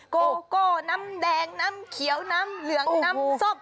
โกโก้น้ำแดงน้ำเขียวน้ำเหลืองน้ำส้ม